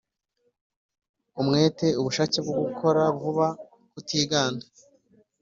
umwete: ubushake bwo gukora vuba, kutiganda…